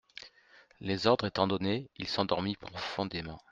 Les ordres étant donnés, il s'endormit profondément.